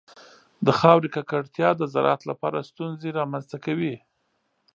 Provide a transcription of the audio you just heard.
د خاورې ککړتیا د زراعت لپاره ستونزې رامنځته کوي.